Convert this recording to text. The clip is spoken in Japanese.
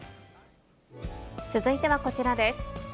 続いてはこちらです。